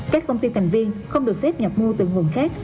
các công ty thành viên không được phép nhập mua từ nguồn khác